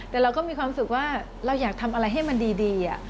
แต่เราก็มีความรู้สึกว่าเราอยากทำอะไรให้มันดี